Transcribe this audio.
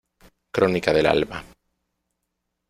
Crónica del alba.